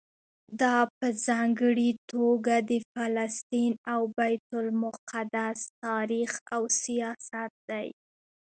دا په ځانګړي توګه د فلسطین او بیت المقدس تاریخ او سیاست دی.